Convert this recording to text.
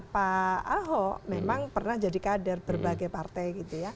pak ahok memang pernah jadi kader berbagai partai gitu ya